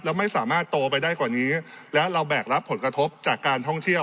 แล้วไม่สามารถโตไปได้กว่านี้และเราแบกรับผลกระทบจากการท่องเที่ยว